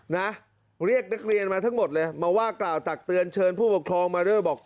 นะเรียกนักเรียนมาทั้งหมดเลยมาว่ากล่าวตักเตือนเชิญผู้ปกครองมาด้วยบอก